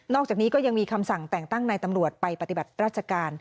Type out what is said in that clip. อกจากนี้ก็ยังมีคำสั่งแต่งตั้งนายตำรวจไปปฏิบัติราชการ